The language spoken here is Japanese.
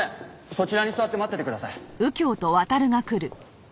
そちらに座って待っててください。